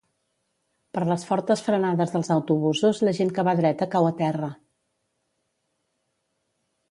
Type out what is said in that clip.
Per les fortes frenades dels autobusos la gent que va dreta cau a terra